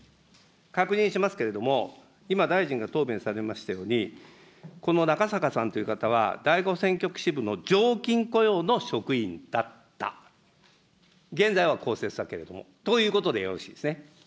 確認しますけれども、今、大臣が答弁されましたように、このなかさかさんという方は第５選挙区支部の常勤雇用の職員だった、現在は公設だけれども。ということでよろしいですね。